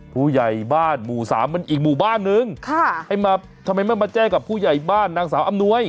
ผู้ใหญ่บ้านหมู่สามมันอีกหมู่บ้านนึงให้มาทำไมไม่มาแจ้งกับผู้ใหญ่บ้านนางสาวอำนวย